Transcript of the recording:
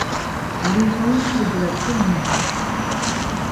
Légende de la Colombie.